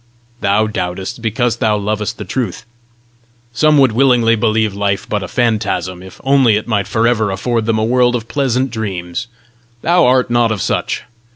"Thou doubtest because thou lovest the truth. Some would willingly believe life but a phantasm, if only it might for ever afford them a world of pleasant dreams: thou art not of such!